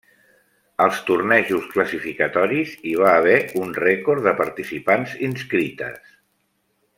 Als tornejos classificatoris, hi va haver un rècord de participants inscrites.